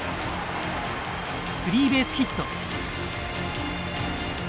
スリーベースヒット。